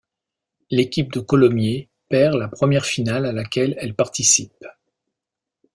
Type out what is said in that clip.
L'équipe de Colomiers perd la première finale à laquelle elle participe.